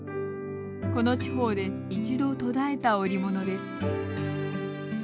この地方で一度途絶えた織物です。